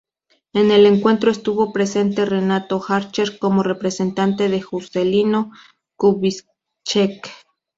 En el encuentro estuvo presente Renato Archer, como representante de Juscelino Kubitschek.